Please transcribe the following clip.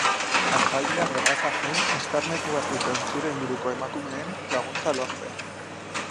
Aspaldian erraza zen eskarmentua zuten zure inguruko emakumeen laguntza lortzea.